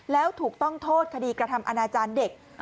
แล้วถูกต้องโทษคดีกระทำอนาจารย์เด็ก